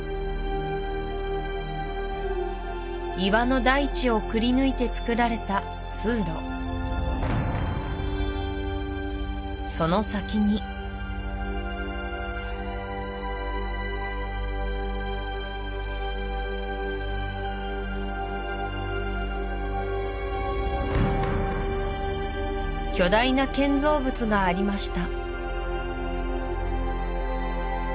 岩の大地をくりぬいてつくられた通路その先に巨大な建造物がありました